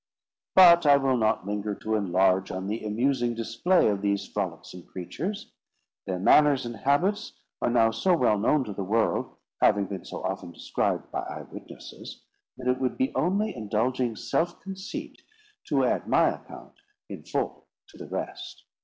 But I will not linger to enlarge on the amusing display of these frolicsome creatures. Their manners and habits are now so well known to the world, having been so often described by eyewitnesses, that it would be only indulging self conceit, to add my account in full to the rest.